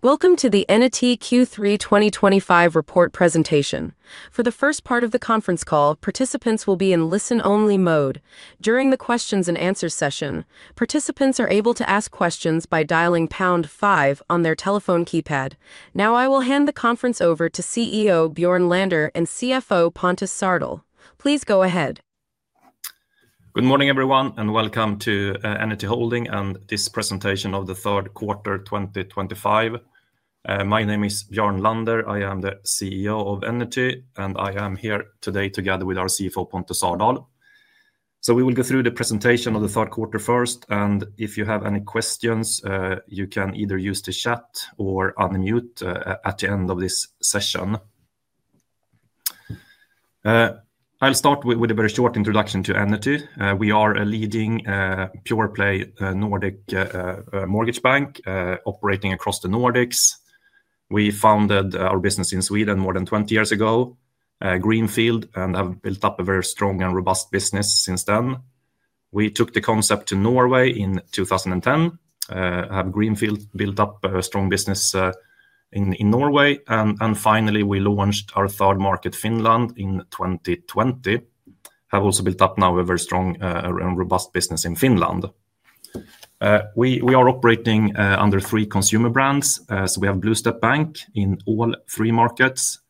Welcome to the Enity Q3 2025 report presentation. For the first part of the conference call, participants will be in listen-only mode. During the questions-and-answers session, participants are able to ask questions by dialing pound-five on their telephone keypad. Now I will hand the conference over to CEO Björn Lander and CFO Pontus Sardal. Please go ahead. Good morning, everyone, and welcome to Enity Holding and this presentation of the third quarter 2025. My name is Björn Lander. I am the CEO of Enity, and I am here today together with our CFO, Pontus Sardal. We will go through the presentation of the third quarter first, and if you have any questions, you can either use the chat or unmute at the end of this session. I'll start with a very short introduction to Enity. We are a leading pure-play Nordic mortgage bank operating across the Nordics. We founded our business in Sweden more than 20 years ago, Greenfield, and have built up a very strong and robust business since then. We took the concept to Norway in 2010, have Greenfield built up a strong business in Norway, and finally we launched our third market, Finland, in 2020, have also built up now a very strong and robust business in Finland. We are operating under three consumer brands. We have Bluestep Bank in all three markets,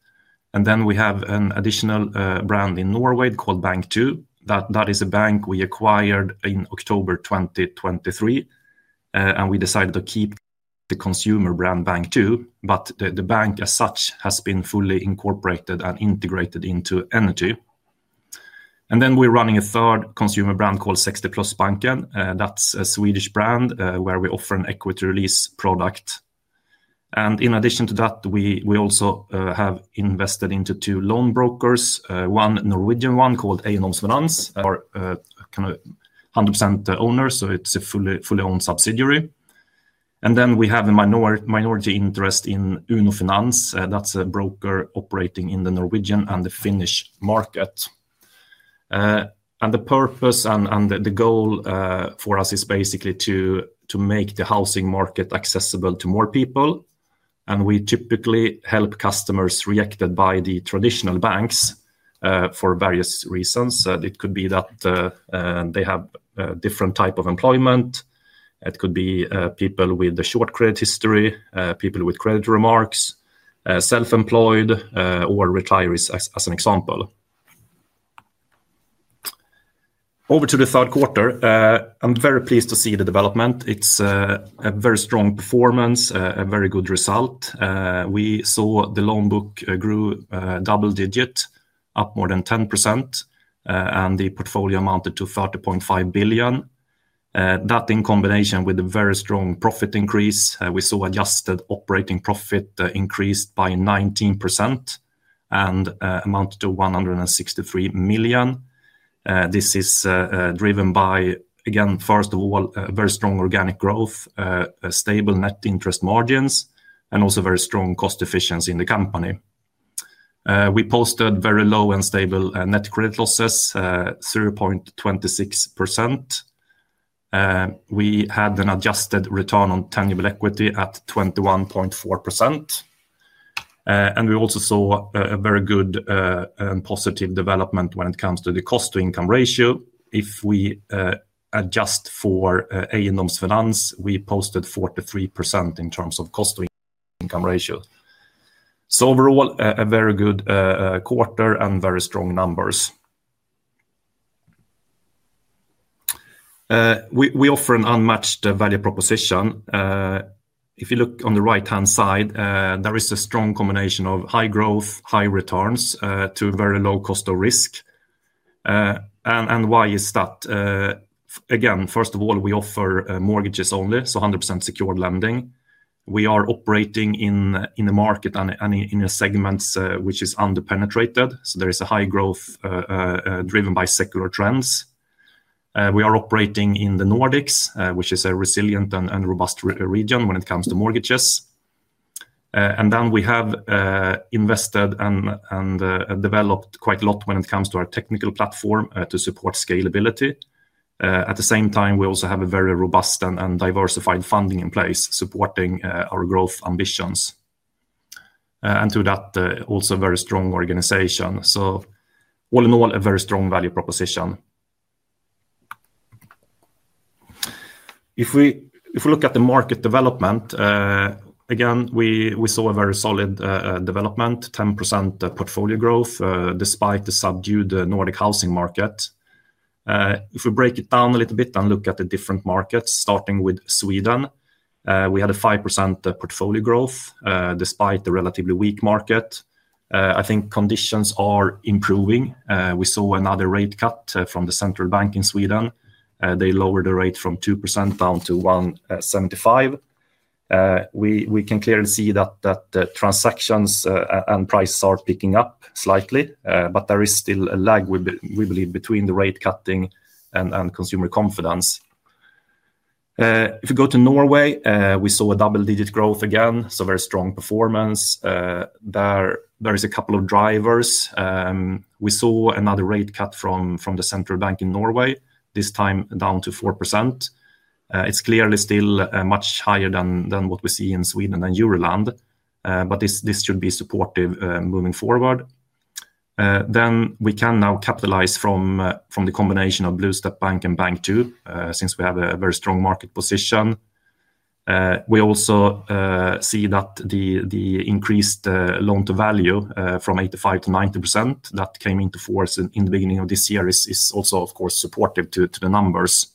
and then we have an additional brand in Norway called Bank2. That is a bank we acquired in October 2023. We decided to keep the consumer brand Bank2, but the bank as such has been fully incorporated and integrated into Enity. We are running a third consumer brand called 60plusbanken. That is a Swedish brand where we offer an equity release product. In addition to that, we also have invested into two loan brokers, one Norwegian, one called Einoms Finans. Are kind of 100% owners, so it is a fully owned subsidiary. We have a minority interest in Einoms Finans. That's a broker operating in the Norwegian and the Finnish market. The purpose and the goal for us is basically to make the housing market accessible to more people. We typically help customers rejected by the traditional banks for various reasons. It could be that they have a different type of employment. It could be people with a short credit history, people with credit remarks, self-employed, or retirees as an example. Over to the third quarter, I'm very pleased to see the development. It's a very strong performance, a very good result. We saw the loan book grew double-digit, up more than 10%. The portfolio amounted to 30.5 billion. That in combination with a very strong profit increase, we saw adjusted operating profit increased by 19% and amounted to 163 million. This is driven by, again, first of all, very strong organic growth, stable net interest margins, and also very strong cost efficiency in the company. We posted very low and stable net credit losses, 0.26%. We had an adjusted return on tangible equity at 21.4%. We also saw a very good and positive development when it comes to the cost-to-income ratio. If we adjust for Einoms Finans, we posted 43% in terms of cost-to-income ratio. Overall, a very good quarter and very strong numbers. We offer an unmatched value proposition. If you look on the right-hand side, there is a strong combination of high growth, high returns, to very low cost of risk. Why is that? Again, first of all, we offer mortgages only, so 100% secured lending. We are operating in a market and in a segment which is under-penetrated, so there is a high growth driven by secular trends. We are operating in the Nordics, which is a resilient and robust region when it comes to mortgages. We have invested and developed quite a lot when it comes to our technical platform to support scalability. At the same time, we also have a very robust and diversified funding in place supporting our growth ambitions. To that, also a very strong organization. All in all, a very strong value proposition. If we look at the market development, again, we saw a very solid development, 10% portfolio growth despite the subdued Nordic housing market. If we break it down a little bit and look at the different markets, starting with Sweden, we had a 5% portfolio growth despite the relatively weak market. I think conditions are improving. We saw another rate cut from the central bank in Sweden. They lowered the rate from 2% down to 1.75%. We can clearly see that transactions and prices are picking up slightly, but there is still a lag, we believe, between the rate cutting and consumer confidence. If we go to Norway, we saw a double-digit growth again, so very strong performance. There are a couple of drivers. We saw another rate cut from the central bank in Norway, this time down to 4%. It is clearly still much higher than what we see in Sweden and Euroland, but this should be supportive moving forward. We can now capitalize from the combination of Bluestep Bank and Bank2 since we have a very strong market position. We also see that the increased loan-to-value from 85% to 90% that came into force in the beginning of this year is also, of course, supportive to the numbers.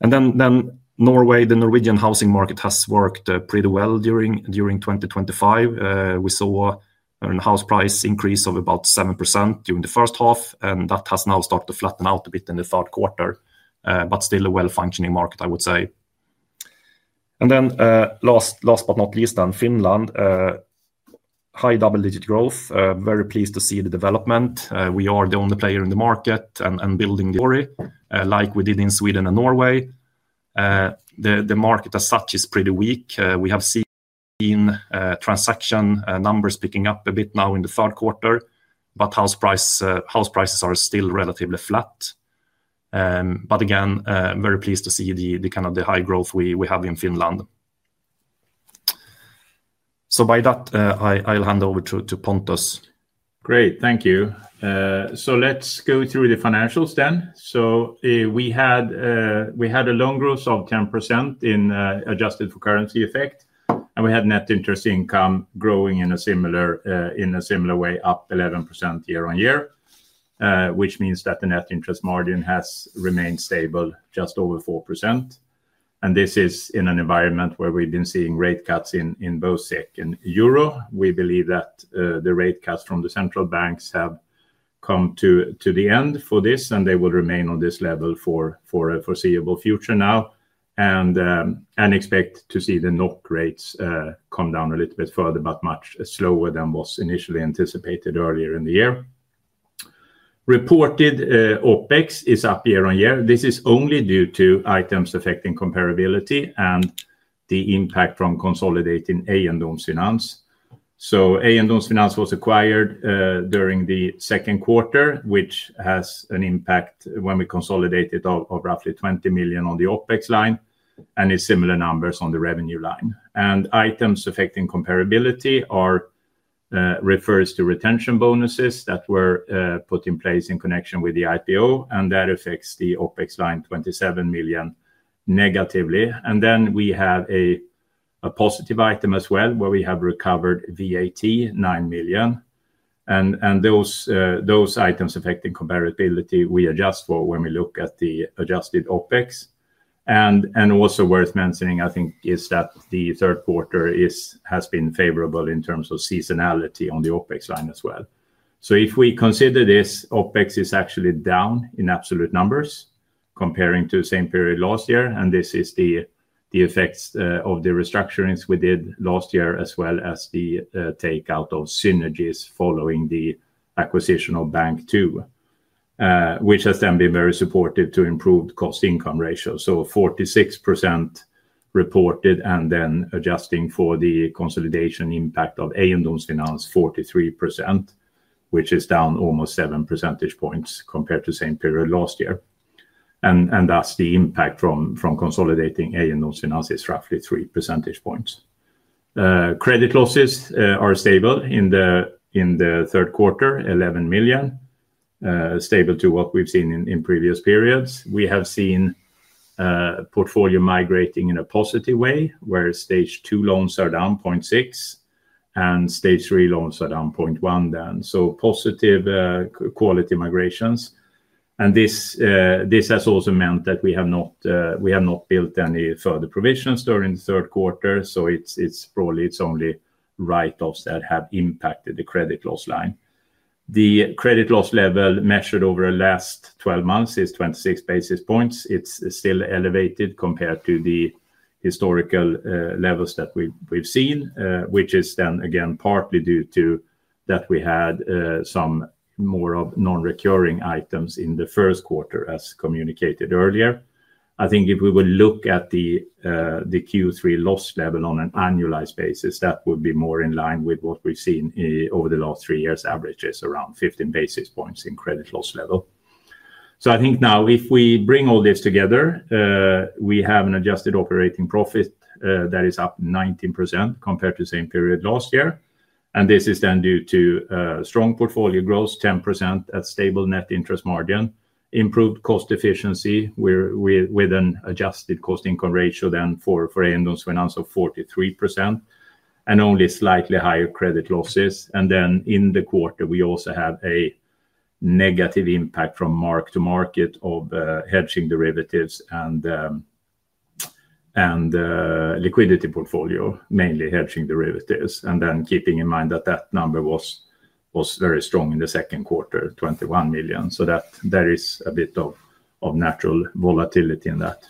Then Norway, the Norwegian housing market has worked pretty well during 2025. We saw a house price increase of about 7% during the first half, and that has now started to flatten out a bit in the third quarter, but still a well-functioning market, I would say. Last but not least, then Finland. High double-digit growth, very pleased to see the development. We are the only player in the market and building story, like we did in Sweden and Norway. The market as such is pretty weak. We have seen transaction numbers picking up a bit now in the third quarter, but house prices are still relatively flat. Again, very pleased to see the kind of high growth we have in Finland. By that, I'll hand over to Pontus. Great, thank you. Let's go through the financials then. We had a loan growth of 10% adjusted for currency effect, and we had net interest income growing in a similar way, up 11% year-on-year, which means that the net interest margin has remained stable, just over 4%. This is in an environment where we've been seeing rate cuts in both Czech and Euro. We believe that the rate cuts from the central banks have come to the end for this, and they will remain on this level for a foreseeable future now and expect to see the NOK rates come down a little bit further, but much slower than was initially anticipated earlier in the year. Reported OpEx is up year-on-year. This is only due to items affecting comparability and the impact from consolidating Einoms Finans. Einoms Finans was acquired during the second quarter, which has an impact when we consolidated of roughly 20 million on the OpEx line and similar numbers on the revenue line. Items affecting comparability refers to retention bonuses that were put in place in connection with the IPO, and that affects the OpEx line 27 million negatively. We have a positive item as well where we have recovered VAT, 9 million. Those items affecting comparability we adjust for when we look at the adjusted OpEx. Also worth mentioning, I think, is that the third quarter has been favorable in terms of seasonality on the OpEx line as well. If we consider this, OpEx is actually down in absolute numbers comparing to the same period last year, and this is the effects of the restructurings we did last year as well as the takeout of synergies following the acquisition of Bank2, which has then been very supportive to improved cost-to-income ratio. 46% reported and then adjusting for the consolidation impact of Einoms Finans, 43%, which is down almost 7 percentage points compared to the same period last year. Thus the impact from consolidating Einoms Finans is roughly 3 percentage points. Credit losses are stable in the third quarter, 11 million. Stable to what we've seen in previous periods. We have seen portfolio migrating in a positive way where stage 2 loans are down 0.6%. Stage three loans are down 0.1% then. Positive quality migrations. This has also meant that we have not built any further provisions during the third quarter. So it's probably only write-offs that have impacted the credit loss line. The credit loss level measured over the last 12 months is 26 basis points. It's still elevated compared to the historical levels that we've seen, which is then again partly due to that we had some more of non-recurring items in the first quarter, as communicated earlier. I think if we would look at the Q3 loss level on an annualized basis, that would be more in line with what we've seen over the last three years' averages, around 15 basis points in credit loss level. So I think now if we bring all this together, we have an adjusted operating profit that is up 19% compared to the same period last year. This is then due to strong portfolio growth, 10% at stable net interest margin, improved cost efficiency with an adjusted cost-to-income ratio then for Einoms Finans of 43%, and only slightly higher credit losses. In the quarter, we also have a negative impact from market-to-market of hedging derivatives and liquidity portfolio, mainly hedging derivatives. Keeping in mind that that number was very strong in the second quarter, 21 million, that is a bit of natural volatility in that.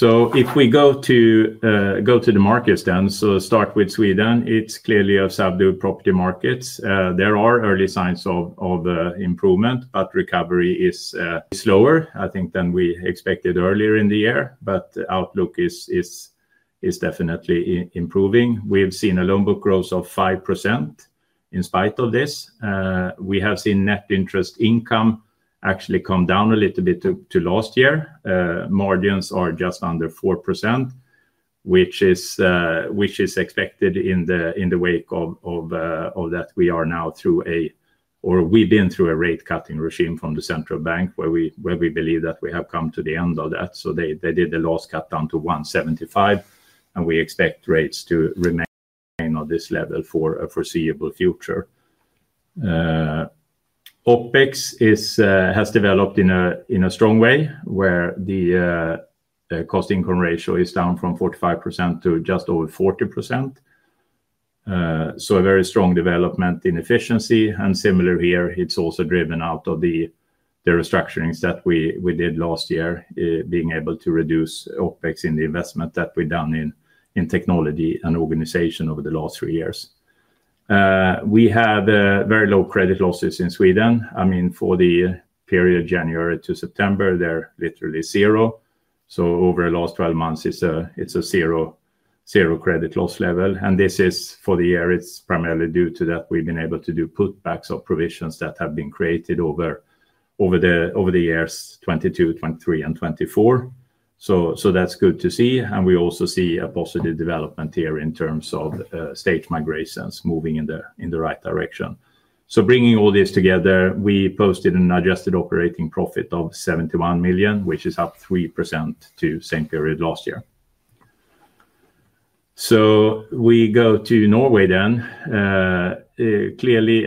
If we go to the markets then, start with Sweden, it is clearly a subdued property market. There are early signs of improvement, but recovery is slower, I think, than we expected earlier in the year. The outlook is definitely improving. We have seen a loan book growth of 5% in spite of this. We have seen net interest income actually come down a little bit to last year. Margins are just under 4%, which is expected in the wake of that. We are now through a, or we've been through a rate cutting regime from the central bank where we believe that we have come to the end of that. They did the last cut down to 1.75%, and we expect rates to remain at this level for a foreseeable future. OpEx has developed in a strong way where the cost-to-income ratio is down from 45% to just over 40%. A very strong development in efficiency. Similar here, it is also driven out of the restructurings that we did last year, being able to reduce OpEx in the investment that we've done in technology and organization over the last three years. We have very low credit losses in Sweden. I mean, for the period January to September, they're literally zero. Over the last 12 months, it's a zero credit loss level. For the year, it's primarily due to that we've been able to do put-backs of provisions that have been created over the years 2022, 2023, and 2024. That's good to see. We also see a positive development here in terms of stage migrations moving in the right direction. Bringing all this together, we posted an adjusted operating profit of 71 million, which is up 3% to the same period last year. We go to Norway then. Clearly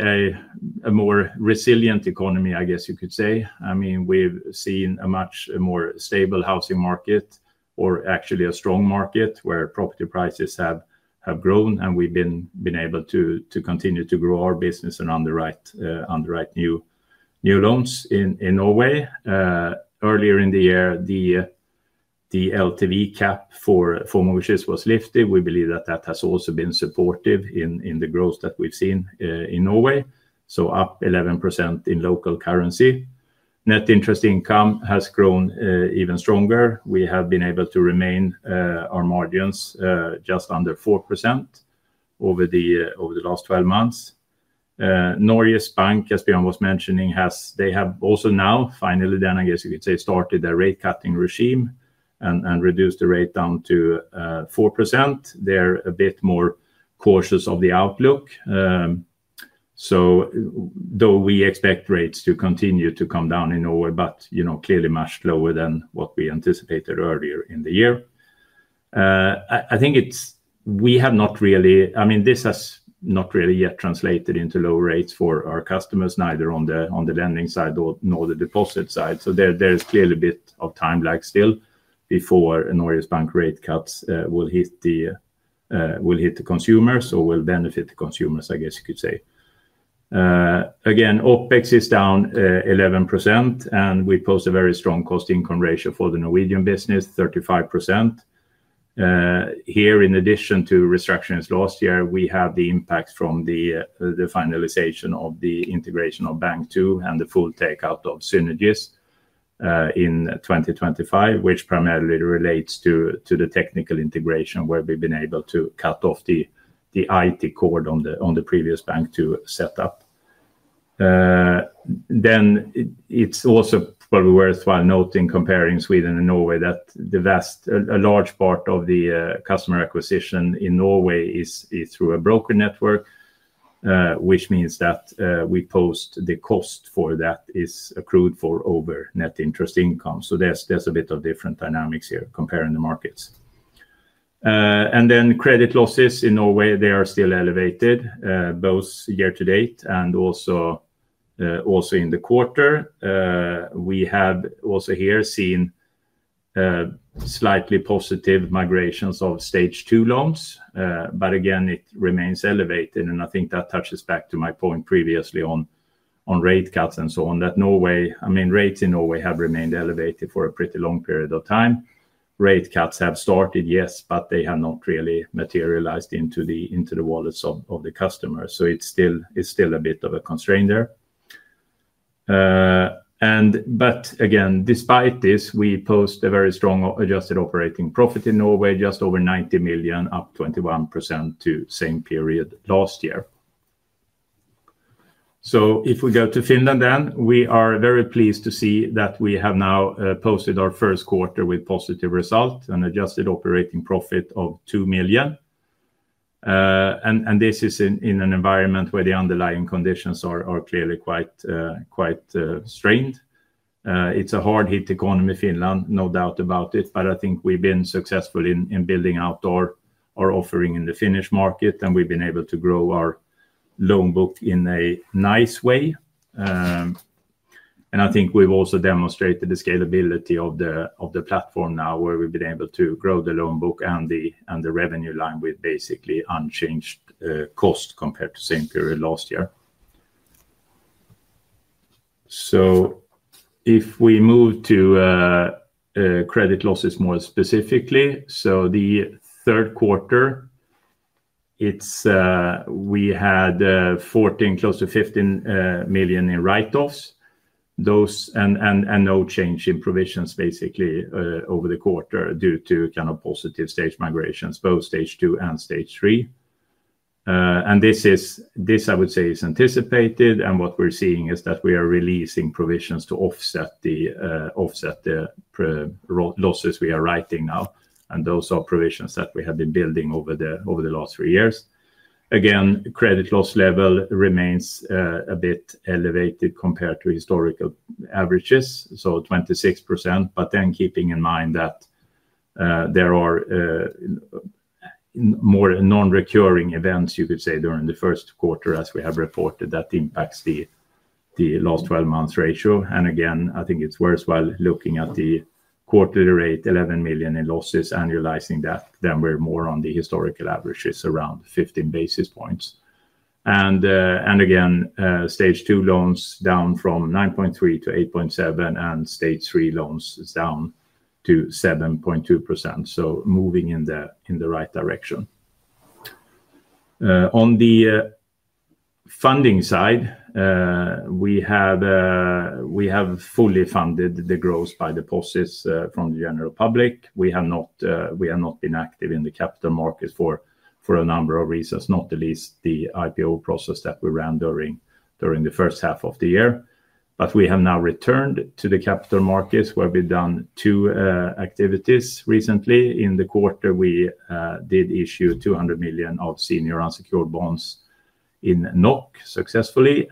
a more resilient economy, I guess you could say. I mean, we've seen a much more stable housing market, or actually a strong market, where property prices have grown, and we've been able to continue to grow our business and underwrite new loans in Norway. Earlier in the year, the LTV cap for mortgages was lifted. We believe that that has also been supportive in the growth that we've seen in Norway. Up 11% in local currency. Net interest income has grown even stronger. We have been able to remain on margins just under 4% over the last 12 months. Norway's bank, as Björn was mentioning, they have also now finally, then I guess you could say, started their rate cutting regime and reduced the rate down to 4%. They're a bit more cautious of the outlook. Though we expect rates to continue to come down in Norway, clearly much lower than what we anticipated earlier in the year. I think we have not really, I mean, this has not really yet translated into lower rates for our customers, neither on the lending side nor the deposit side. There is clearly a bit of time lag still before Norway's bank rate cuts will hit the consumers or will benefit the consumers, I guess you could say. Again, OpEx is down 11%, and we post a very strong cost-to-income ratio for the Norwegian business, 35%. Here, in addition to restructurings last year, we have the impact from the finalization of the integration of Bank2 and the full takeout of synergies in 2025, which primarily relates to the technical integration where we've been able to cut off the IT cord on the previous Bank2 setup. It is also probably worthwhile noting, comparing Sweden and Norway, that a large part of the customer acquisition in Norway is through a broker network, which means that we post the cost for that is accrued for over net interest income. There are a bit of different dynamics here comparing the markets. Credit losses in Norway, they are still elevated, both year to date and also in the quarter. We have also here seen slightly positive migrations of stage 2 loans. Again, it remains elevated. I think that touches back to my point previously on rate cuts and so on, that Norway, I mean, rates in Norway have remained elevated for a pretty long period of time. Rate cuts have started, yes, but they have not really materialized into the wallets of the customers. It is still a bit of a constraint there. Again, despite this, we post a very strong adjusted operating profit in Norway, just over 90 million, up 21% to the same period last year. If we go to Finland then, we are very pleased to see that we have now posted our first quarter with a positive result and adjusted operating profit of 2 million. This is in an environment where the underlying conditions are clearly quite strained. It's a hard-hit economy, Finland, no doubt about it. I think we've been successful in building out our offering in the Finnish market, and we've been able to grow our loan book in a nice way. I think we've also demonstrated the scalability of the platform now where we've been able to grow the loan book and the revenue line with basically unchanged cost compared to the same period last year. If we move to credit losses more specifically, the third quarter, we had 14 million, close to 15 million, in write-offs and no change in provisions basically over the quarter due to kind of positive stage migrations, both stage 2 and stage 3. This, I would say, is anticipated. What we're seeing is that we are releasing provisions to offset the losses we are writing now. Those are provisions that we have been building over the last three years. Again, credit loss level remains a bit elevated compared to historical averages, so 26%. Keeping in mind that there are more non-recurring events, you could say, during the first quarter, as we have reported, that impacts the last 12 months ratio. I think it's worthwhile looking at the quarterly rate, 11 million in losses, annualizing that, then we're more on the historical averages around 15 basis points. Again, stage 2 loans down from 9.3% to 8.7%, and stage three loans down to 7.2%, so moving in the right direction. On the funding side, we have fully funded the growth by deposits from the general public. We have not been active in the capital markets for a number of reasons, not the least the IPO process that we ran during the first half of the year. We have now returned to the capital markets where we've done two activities recently. In the quarter, we did issue 200 million of senior unsecured bonds successfully.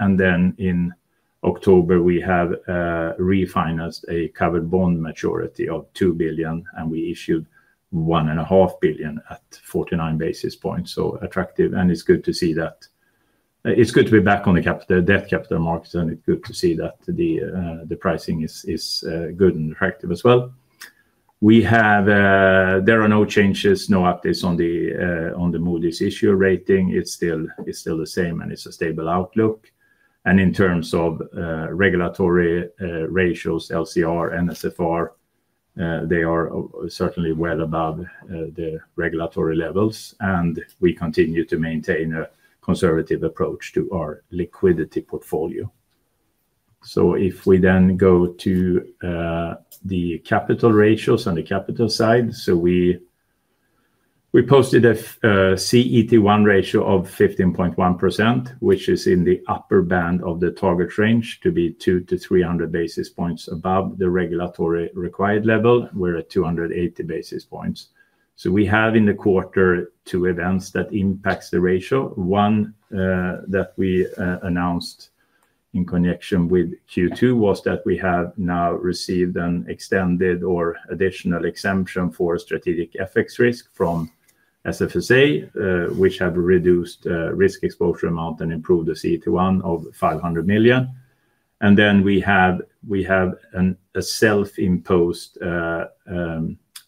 In October, we have refinanced a covered bond maturity of 2 billion, and we issued 1.5 billion at 49 basis points, so attractive. It's good to see that. It's good to be back on the debt capital markets, and it's good to see that the pricing is good and attractive as well. There are no changes, no updates on the Moody's issue rating. It's still the same, and it's a stable outlook. In terms of regulatory ratios, LCR, NSFR, they are certainly well above the regulatory levels. We continue to maintain a conservative approach to our liquidity portfolio. If we then go to the capital ratios on the capital side, we posted a CET1 ratio of 15.1%, which is in the upper band of the target range to be 200-300 basis points above the regulatory required level. We're at 280 basis points. We have in the quarter two events that impact the ratio. One that we announced in connection with Q2 was that we have now received an extended or additional exemption for strategic FX risk from SFSA, which has reduced risk exposure amount and improved the CET1 of 500 million. We have a self-imposed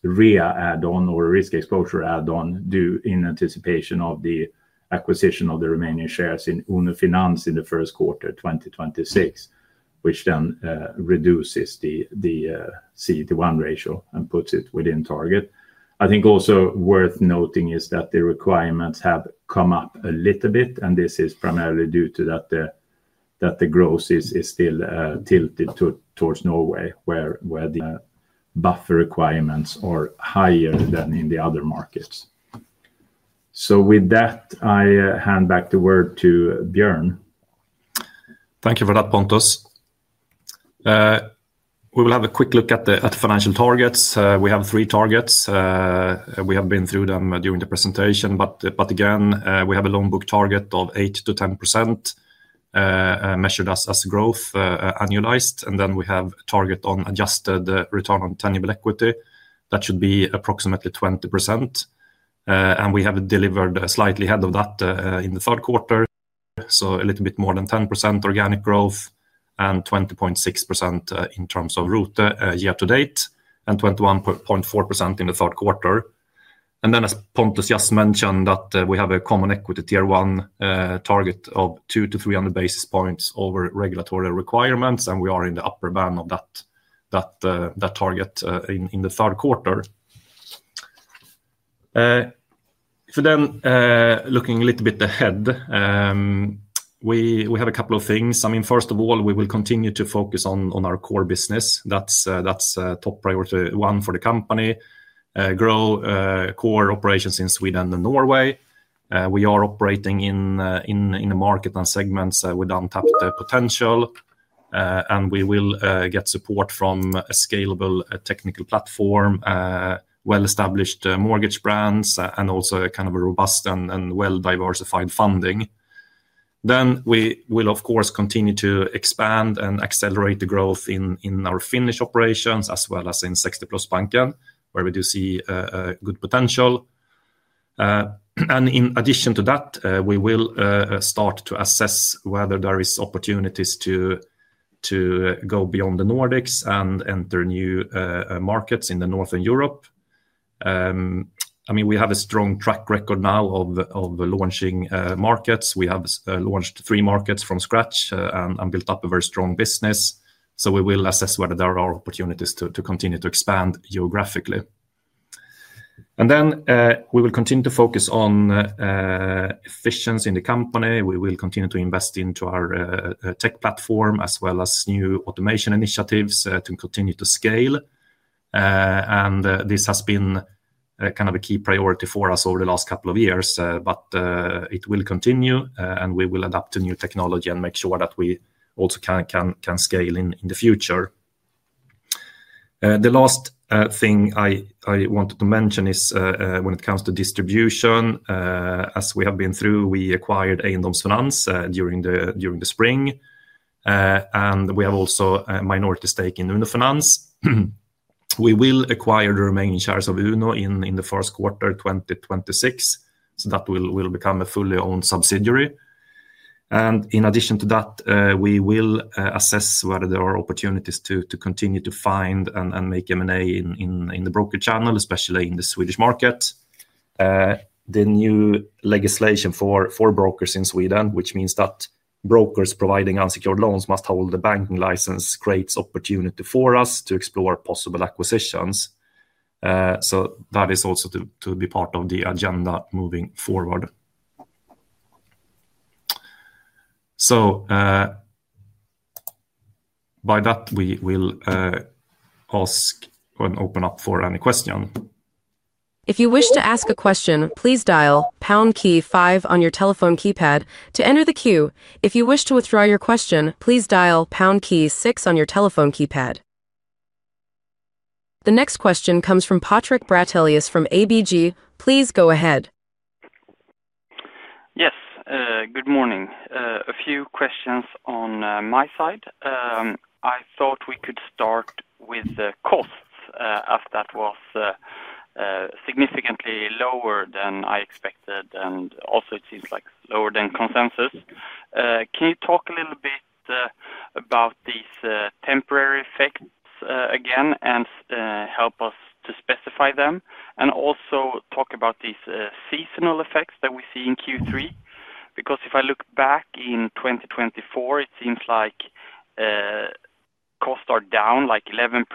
REA or risk exposure add-on due in anticipation of the acquisition of the remaining shares in Uno Finans in the first quarter 2026, which then reduces the CET1 ratio and puts it within target. I think also worth noting is that the requirements have come up a little bit, and this is primarily due to that the growth is still tilted towards Norway, where buffer requirements are higher than in the other markets. With that, I hand back the word to Björn. Thank you for that, Pontus. We will have a quick look at the financial targets. We have three targets. We have been through them during the presentation. Again, we have a loan book target of 8%-10%, measured as growth annualized. We have a target on adjusted return on tangible equity that should be approximately 20%. We have delivered slightly ahead of that in the third quarter, so a little bit more than 10% organic growth and 20.6% in terms of root year-to-date and 21.4% in the third quarter. As Pontus just mentioned, we have a common equity Tier 1 target of 200-300 basis points over regulatory requirements, and we are in the upper band of that target in the third quarter. Looking a little bit ahead, we have a couple of things. I mean, first of all, we will continue to focus on our core business. That is top priority one for the company. Grow core operations in Sweden and Norway. We are operating in a market and segments with untapped potential, and we will get support from a scalable technical platform, well-established mortgage brands, and also kind of a robust and well-diversified funding. We will, of course, continue to expand and accelerate the growth in our Finnish operations as well as in 60plusbanken, where we do see good potential. In addition to that, we will start to assess whether there are opportunities to go beyond the Nordics and enter new markets in Northern Europe. I mean, we have a strong track record now of launching markets. We have launched three markets from scratch and built up a very strong business. We will assess whether there are opportunities to continue to expand geographically. We will continue to focus on efficiency in the company. We will continue to invest into our tech platform as well as new automation initiatives to continue to scale. This has been. Kind of a key priority for us over the last couple of years, but it will continue, and we will adapt to new technology and make sure that we also can scale in the future. The last thing I wanted to mention is when it comes to distribution. As we have been through, we acquired Einoms Finans during the spring. We have also a minority stake in Uno Finans. We will acquire the remaining shares of Uno in the first quarter 2026, so that will become a fully owned subsidiary. In addition to that, we will assess whether there are opportunities to continue to find and make M&A in the broker channel, especially in the Swedish market. The new legislation for brokers in Sweden, which means that brokers providing unsecured loans must hold the banking license, creates opportunity for us to explore possible acquisitions. That is also to be part of the agenda moving forward. By that, we will ask and open up for any question. If you wish to ask a question, please dial pound key five on your telephone keypad to enter the queue. If you wish to withdraw your question, please dial pound key six on your telephone keypad. The next question comes from Patrick Bratellius from ABG. Please go ahead. Yes, good morning. A few questions on my side. I thought we could start with the costs, as that was significantly lower than I expected, and also it seems like lower than consensus. Can you talk a little bit about these temporary effects again and help us to specify them? Also talk about these seasonal effects that we see in Q3, because if I look back in 2024, it seems like. Costs are down like 11%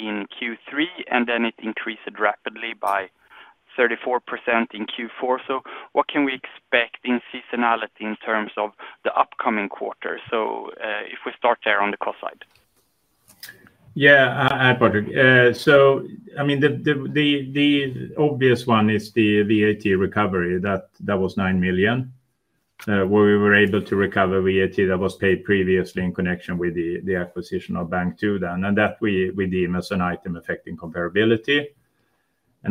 in Q3, and then it increased rapidly by 34% in Q4. What can we expect in seasonality in terms of the upcoming quarter? If we start there on the cost side. Yeah, I'll add, Patrick. I mean, the obvious one is the VAT recovery. That was 9 million, where we were able to recover VAT that was paid previously in connection with the acquisition of Bank2, and that we deem as an item affecting comparability.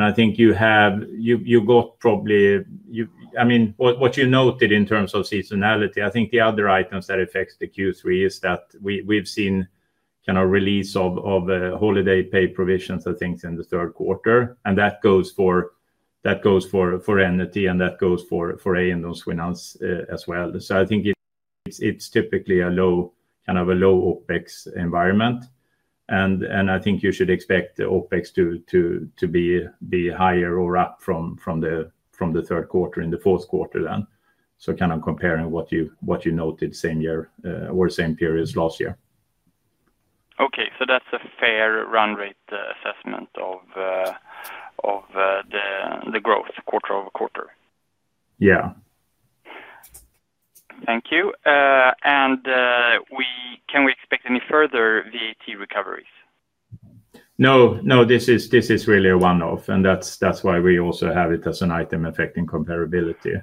I think you have, you got probably, I mean, what you noted in terms of seasonality. I think the other items that affect the Q3 is that we've seen kind of release of holiday pay provisions and things in the third quarter. That goes for Enity and that goes for Einoms Finans as well. I think it's typically a low, kind of a low OpEx environment. I think you should expect the OpEx to be higher or up from the third quarter in the fourth quarter then. Kind of comparing what you noted, same year or same periods last year. Okay, that's a fair run rate assessment of the growth quarter-over-quarter. Yeah. Thank you. Can we expect any further VAT recoveries? No, no, this is really a one-off, and that's why we also have it as an item affecting comparability.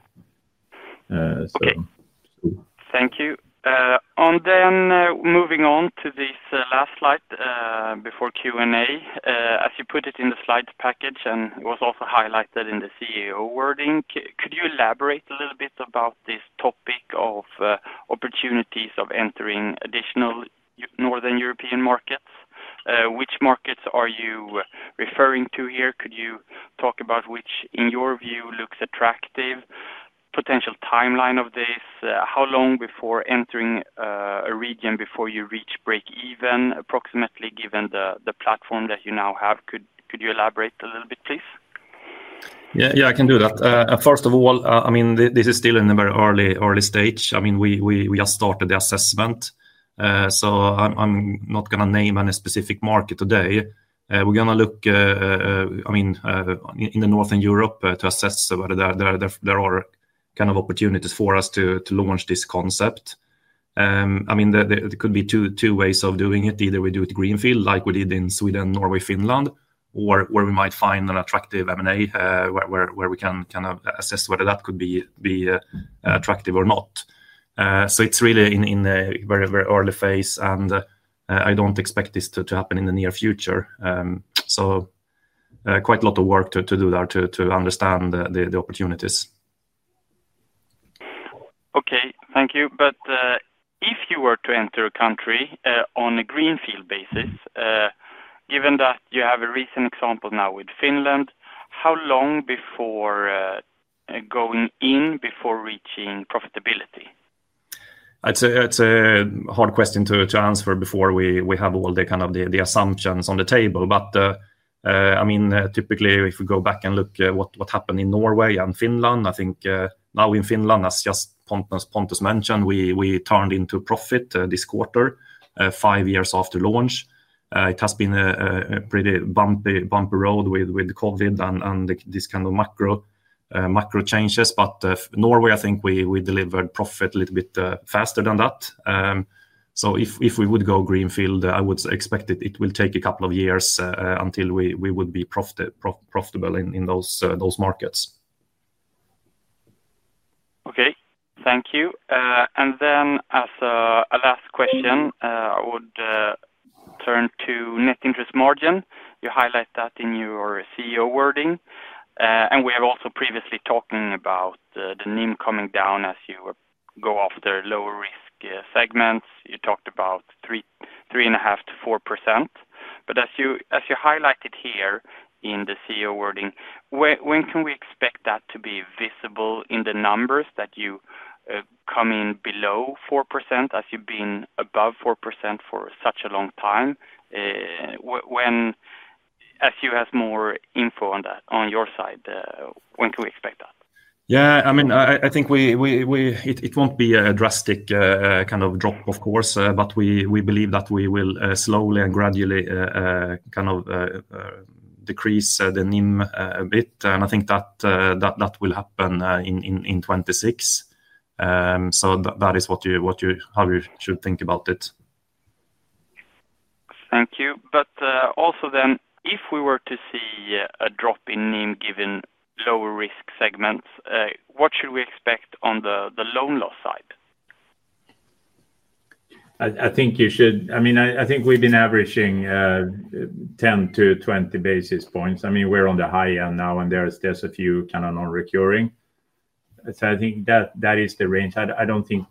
Thank you. Then moving on to this last slide before Q&A, as you put it in the slides package and it was also highlighted in the CEO wording, could you elaborate a little bit about this topic of opportunities of entering additional Northern European markets? Which markets are you referring to here? Could you talk about which, in your view, looks attractive? Potential timeline of this, how long before entering a region before you reach break-even, approximately given the platform that you now have? Could you elaborate a little bit, please? Yeah, yeah, I can do that. First of all, I mean, this is still in a very early stage. I mean, we just started the assessment. I am not going to name any specific market today. We are going to look, I mean, in Northern Europe to assess whether there are kind of opportunities for us to launch this concept. I mean, there could be two ways of doing it. Either we do it greenfield, like we did in Sweden, Norway, Finland, or where we might find an attractive M&A where we can kind of assess whether that could be attractive or not. It's really in a very, very early phase, and I don't expect this to happen in the near future. Quite a lot of work to do there to understand the opportunities. Okay, thank you. If you were to enter a country on a greenfield basis, given that you have a recent example now with Finland, how long before going in, before reaching profitability? It's a hard question to answer before we have all the kind of the assumptions on the table. I mean, typically, if we go back and look at what happened in Norway and Finland, I think now in Finland, as just Pontus mentioned, we turned into profit this quarter, five years after launch. It has been a pretty bumpy road with COVID and these kind of macro changes. Norway, I think we delivered profit a little bit faster than that. If we would go greenfield, I would expect it will take a couple of years until we would be profitable in those markets. Okay, thank you. As a last question, I would turn to net interest margin. You highlight that in your CEO wording. We have also previously talked about the NIM coming down as you go after lower risk segments. You talked about 3.5%-4%. As you highlighted here in the CEO wording, when can we expect that to be visible in the numbers, that you come in below 4% as you have been above 4% for such a long time? As you have more info on that on your side, when can we expect that? Yeah, I mean, I think it will not be a drastic kind of drop, of course, but we believe that we will slowly and gradually kind of decrease the NIM a bit. I think that will happen in 2026. That is how we should think about it. Thank you. Also, if we were to see a drop in NIM given lower risk segments, what should we expect on the loan loss side? I think we've been averaging 10-20 basis points. I mean, we're on the high end now, and there's just a few kind of non-recurring. I think that is the range.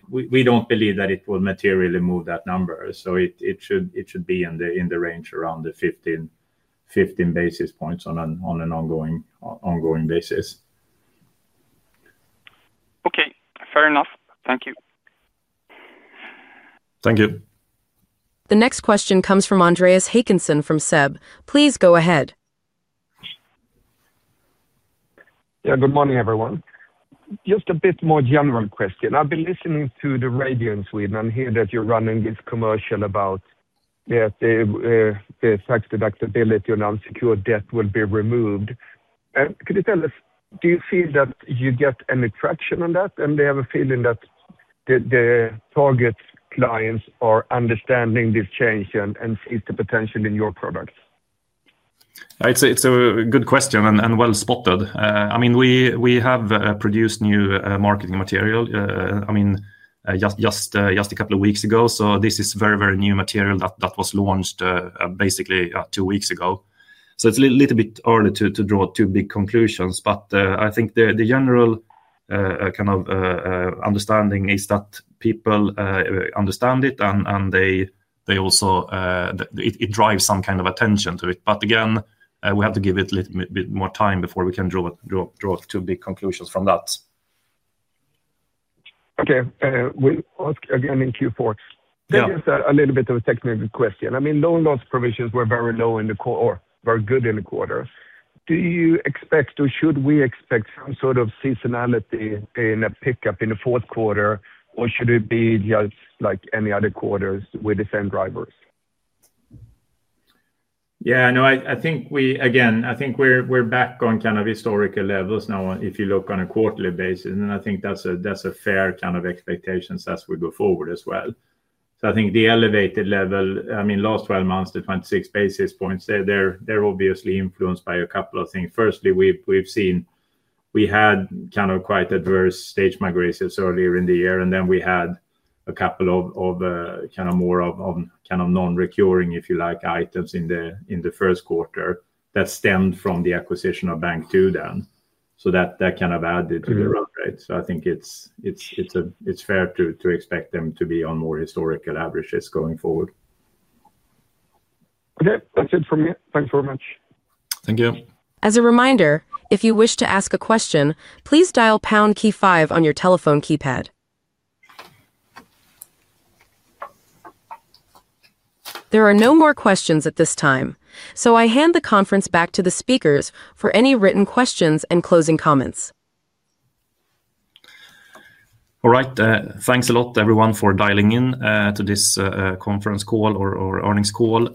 We do not believe that it will materially move that number. It should be in the range around 15 basis points on an ongoing basis. Okay, fair enough. Thank you. Thank you. The next question comes from Andreas Hakansson from SEB. Please go ahead. Yeah, good morning, everyone. Just a bit more general question. I've been listening to the radio in Sweden and hear that you're running this commercial about the tax deductibility on unsecured debt will be removed. Could you tell us, do you feel that you get any traction on that? Do you have a feeling that the target clients are understanding this change and see the potential in your products? It's a good question and well spotted. I mean, we have produced new marketing material, I mean, just a couple of weeks ago. This is very, very new material that was launched basically two weeks ago. It's a little bit early to draw too big conclusions, but I think the general kind of understanding is that people understand it and they also, it drives some kind of attention to it. But again, we have to give it a little bit more time before we can draw too big conclusions from that. Okay. We'll ask again in Q4. Just a little bit of a technical question. I mean, loan loss provisions were very low in the quarter, or very good in the quarter. Do you expect or should we expect some sort of seasonality in a pickup in the fourth quarter, or should it be just like any other quarters with the same drivers? Yeah, no, I think we, again, I think we're back on kind of historical levels now if you look on a quarterly basis. I think that's a fair kind of expectation as we go forward as well. I think the elevated level, I mean, last 12 months, the 26 basis points, they're obviously influenced by a couple of things. Firstly, we've seen we had kind of quite adverse stage migrations earlier in the year, and then we had a couple of kind of more of kind of non-recurring, if you like, items in the first quarter that stemmed from the acquisition of Bank 2 then. That kind of added to the run rate. I think it's fair to expect them to be on more historical averages going forward. Okay, that's it from me. Thanks very much. Thank you. As a reminder, if you wish to ask a question, please dial pound key five on your telephone keypad. There are no more questions at this time, so I hand the conference back to the speakers for any written questions and closing comments. All right, thanks a lot, everyone, for dialing in to this conference call or earnings call.